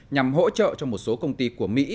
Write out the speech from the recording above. nhằm hỗ trợ cho một số công ty của mỹ